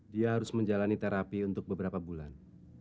dia harus menjalani terapi untuk beberapa bulan